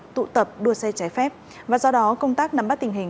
tụ tập đua xe trái phép và do đó công tác nắm bắt tình hình